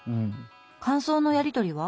感想のやり取りは？